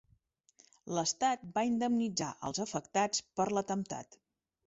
L'estat va indemnitzar els afectats per l'atemptat.